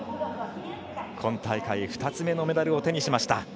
今大会２つ目のメダルを手にしました。